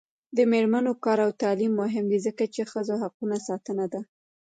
د میرمنو کار او تعلیم مهم دی ځکه چې ښځو حقونو ساتنه ده.